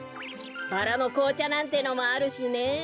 バラのこうちゃなんてのもあるしね。